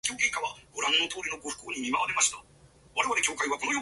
Turkmenistan's home ground is Ashgabat Stadium in Ashgabat.